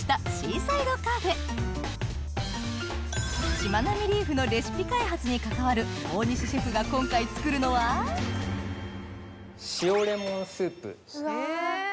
しまなみリーフのレシピ開発に関わる大西シェフが今回作るのはえ？